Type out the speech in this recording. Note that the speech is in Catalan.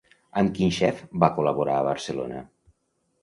Amb quin xef va col·laborar a Barcelona?